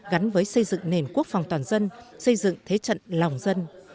gắn với xây dựng nền quốc phòng toàn dân xây dựng thế trận lòng dân